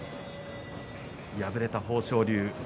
敗れた豊昇龍。